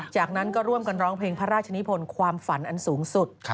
จากนั้นก็ร่วมกันร้องเพลงพระราชนิพลความฝันอันสูงสุด